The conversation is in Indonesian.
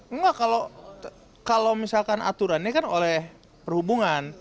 enggak kalau misalkan aturannya kan oleh perhubungan